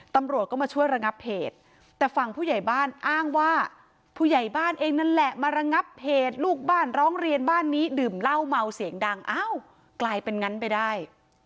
ตำรวจก็มาช่วยระงับเหตุแต่ฝั่งผู้ใหญ่บ้านอ้างว่าผู้ใหญ่บ้านเองนั่นแหละมาระงับเหตุลูกบ้านร้องเรียนบ้านนี้ดื่มเหล้าเมาเสียงดังอ้าวกลายเป็นงั้นไปได้